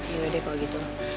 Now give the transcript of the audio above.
yaudah deh kalau gitu